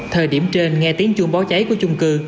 thời điểm trên nghe tiếng chuông báo cháy của chung cư